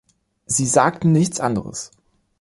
Sie sagten nichts anderes.